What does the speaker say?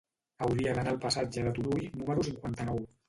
Hauria d'anar al passatge de Turull número cinquanta-nou.